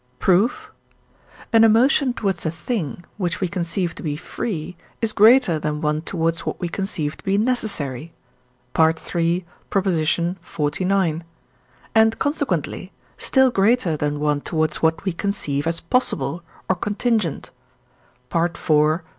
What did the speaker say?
Proof. An emotion towards a thing, which we conceive to be free, is greater than one towards what we conceive to be necessary (III. xlix.), and, consequently, still greater than one towards what we conceive as possible, or contingent (IV. xi.).